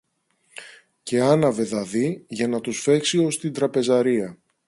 και άναβε δαδί, για να τους φέξει ως την τραπεζαρία.